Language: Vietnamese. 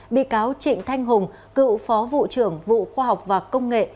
bị cáo trịnh thanh hùng cựu phó vụ trưởng vụ khoa học và công nghệ